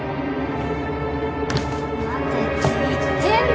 待てって言ってんだろ！